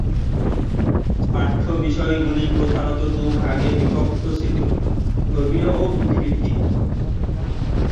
পাঠ্য বিষয়গুলি প্রধানত দুভাগে বিভক্ত ছিল- ধর্মীয় ও বুদ্ধিবৃত্তিক।